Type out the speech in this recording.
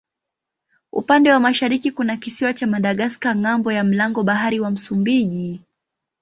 Upande wa mashariki kuna kisiwa cha Madagaska ng'ambo ya mlango bahari wa Msumbiji.